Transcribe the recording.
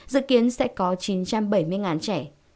dự kiến sẽ có chín trăm bảy mươi trẻ